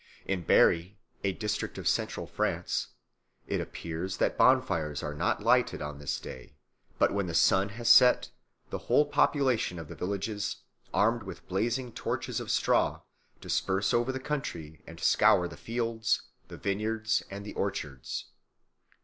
In Berry, a district of Central France, it appears that bonfires are not lighted on this day, but when the sun has set the whole population of the villages, armed with blazing torches of straw, disperse over the country and scour the fields, the vineyards, and the orchards.